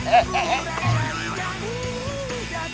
eh menyenitgu paris